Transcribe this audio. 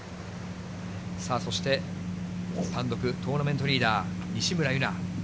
そして、単独トーナメントリーダー、西村優菜。